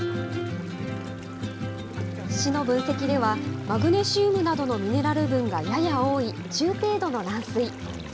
市の分析では、マグネシウムなどのミネラル分がやや多い中程度の軟水。